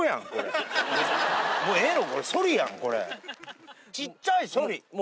もうええの？